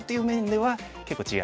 はい。